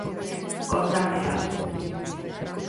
Con Danza.